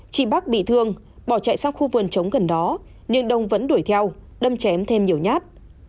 chị bắc bị thương bỏ chạy sang khu vườn chống gần đó nhưng đông vẫn đuổi theo đâm chém thêm nhiều nhát